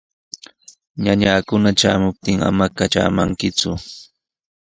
Ñakaykuna shamuptin ama katramankiku.